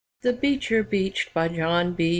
THE BEECHER BEACHED BY JOHN B.